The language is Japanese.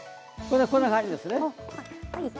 こんな感じですね。